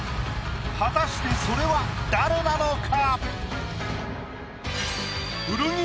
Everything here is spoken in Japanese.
果たしてそれは誰なのか？